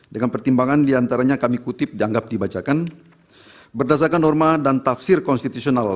dengan pertimbangan diantaranya kami kutip dianggap dibacakan berdasarkan norma dan tafsir konstitusional